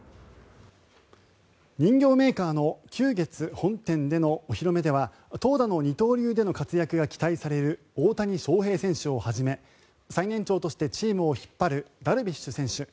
人形メーカーの久月本店でのお披露目では投打の二刀流での活躍が期待される大谷翔平選手をはじめ最年長としてチームを引っ張るダルビッシュ選手